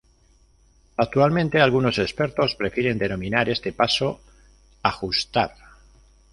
Actualmente algunos expertos prefieren denominar este paso "Ajustar".